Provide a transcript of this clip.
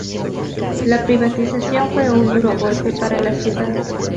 La privatización fue un duro golpe para la ciudad.